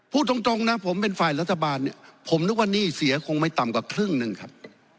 พูดตรงนะผมเป็นฝ่ายรัฐบาลเนี่ยผมนึกว่าหนี้เสียคงไม่ต่ำกว่าครึ่งหนึ่งครับ